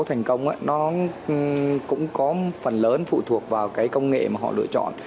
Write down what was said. thành công cũng có phần lớn phụ thuộc vào công nghệ mà họ lựa chọn